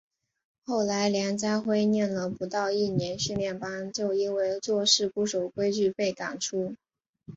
后来梁家辉念了不到一年训练班就因为做事不守规矩被赶出。